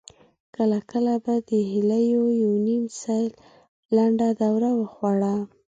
کله کله به د هيليو يوه نيم سېل لنډه دوره وخوړه.